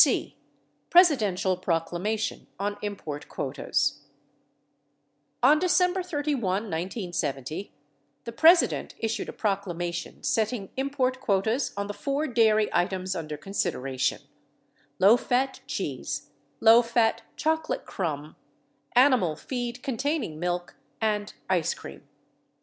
o. Presidential Proclamation on Import Quotas On December 31, 1970, the President issued a proclamation setting import quotas on the four dairy items under consideration — low fat cheese, low fat chocolate crumb, animal feed containing milk, and ice cream.